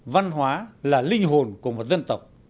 văn hóa là linh hồn của một dân tộc